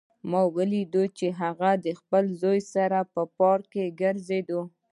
ما ولیدل چې هغه د خپل زوی سره په پارک کې ګرځېده